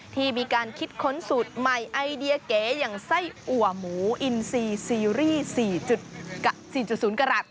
ที่มีการคิดค้นสูตรใหม่ไอเดียเก๋อย่างไส้อัวหมูอินซีซีรีส์๔๐กรัฐ